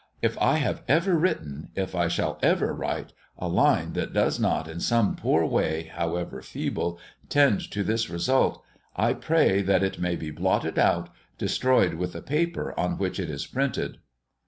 "If I have ever written if I shall ever write a line that does not, in some poor way, however feeble, tend to this result, I pray that it may be blotted out, destroyed with the paper on which it is printed!"